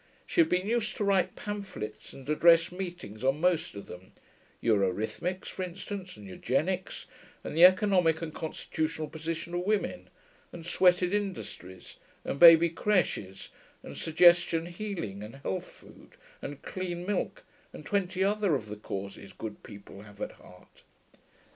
She had been used to write pamphlets and address meetings on most of them: eurhythmics, for instance, and eugenics, and the economic and constitutional position of women, and sweated industries, and baby crèches, and suggestion healing, and health food, and clean milk, and twenty other of the causes good people have at heart.